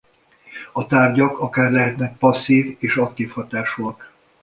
A tárgyak akár lehetnek passzív és aktív hatásúak.